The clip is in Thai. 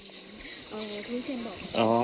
อ๋อคุณวิทย์เชียนบอกนะครับ